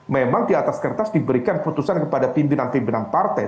memang di atas kertas diberikan putusan kepada pimpinan pimpinan partai